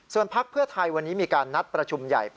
ส่วนพรปภัทย์วันนี้มีการนัดประชุมใหญ่